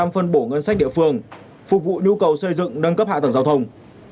phân bổ ngân sách địa phương phục vụ nhu cầu xây dựng nâng cấp hạ tầng giao thông